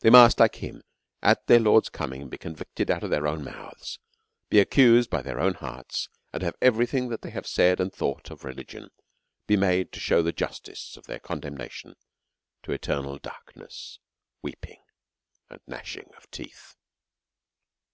They must, like him at the Lord's coming, be convicted out of their own mouths, be accused by their own hearts, and have every thing that they have said and thought of religion be made to shew the jus tice of their condemnation to eternal darkness, weep in« , and c nashins of teeth.